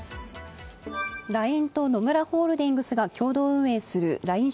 ＬＩＮＥと野村ホールディングスが共同運営するＬＩＮＥ